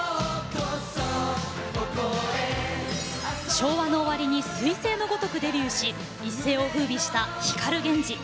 昭和の終わりにすい星のごとくデビューし一世をふうびした光ＧＥＮＪＩ。